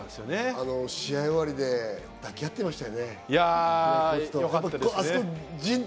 試合終わりで抱き合ってましたね、コーチと。